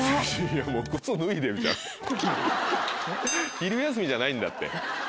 昼休みじゃないんだって。